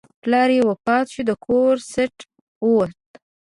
پلار چې وفات شو، د کور سټه ووته.